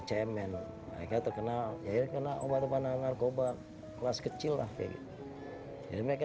cemen mereka terkenal jadi kena obat obatan narkoba kelas kecil lah kayaknya ini mereka